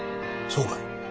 そうかい。